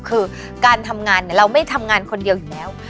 คือการทำงานเราไม่ทำงานคนเดียวอยู่แล้ว